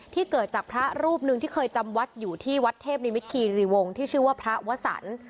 เกิดจากพระรูปหนึ่งที่เคยจำวัดอยู่ที่วัดเทพนิมิตคีรีวงศ์ที่ชื่อว่าพระวสัน